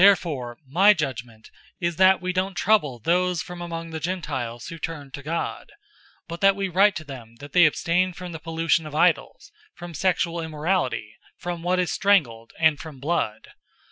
015:019 "Therefore my judgment is that we don't trouble those from among the Gentiles who turn to God, 015:020 but that we write to them that they abstain from the pollution of idols, from sexual immorality, from what is strangled, and from blood.